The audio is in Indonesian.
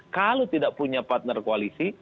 kalau tidak punya partner koalisi